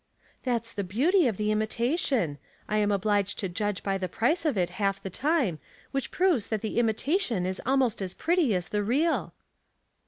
" That's the beauty of the imitation. I am obliged to judge by the price of it half the time, which proves that the imitation is almost as pretty as the real."